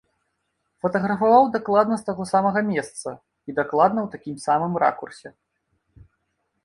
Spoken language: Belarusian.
Фатаграфаваў дакладна з таго самага месца і дакладна ў такім самым ракурсе.